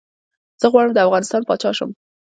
زه غواړم ده افغانستان پاچا شم